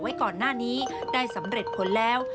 ไว้ก่อนหน้านี้ได้สำเร็จผลแล้ว